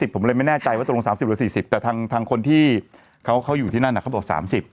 ผมเลยไม่แน่ใจว่าตรง๓๐หรือ๔๐แต่ทางคนที่เขาอยู่ที่นั่นเขาบอก๓๐